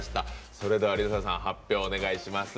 それでは、ＬｉＳＡさん発表お願いします。